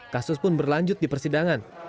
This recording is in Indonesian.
kasus pun berlanjut di persidangan